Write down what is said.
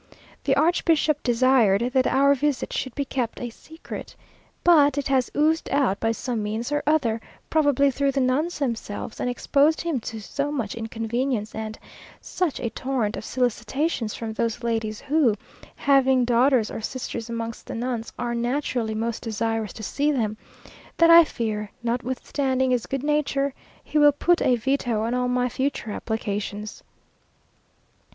The archbishop desired that our visit should be kept a secret; but it has oozed out by some means or other, probably through the nuns themselves, and exposed him to so much inconvenience and such a torrent of solicitations from those ladies who, having daughters or sisters amongst the nuns, are naturally most desirous to see them, that I fear, notwithstanding his good nature, he will put a veto on all my future applications.